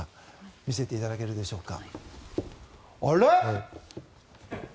見せていただけるでしょうか。